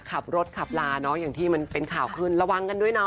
ขับรถขับลาเนอะอย่างที่มันเป็นข่าวขึ้นระวังกันด้วยเนาะ